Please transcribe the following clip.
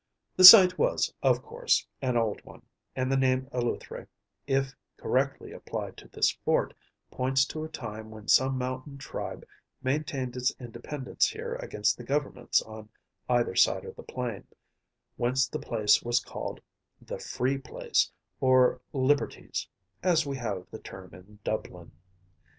(92) The site was, of course, an old one, and the name Eleutheræ, if correctly applied to this fort, points to a time when some mountain tribe maintained its independence here against the governments on either side in the plain, whence the place was called the ‚Äú_Free_‚ÄĚ place, or Liberties (as we have the term in Dublin).